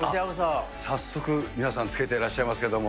早速、皆さん、つけていらっしゃいますけど。